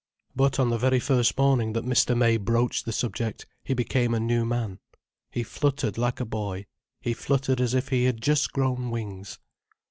But on the very first morning that Mr. May broached the subject, he became a new man. He fluttered like a boy, he fluttered as if he had just grown wings.